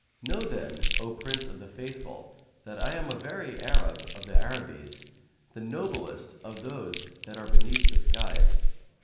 Know then, O Prince of the Faithful, that I am a very Arab of the Arabies,[FN#147] the noblest of those that are beneath the skies.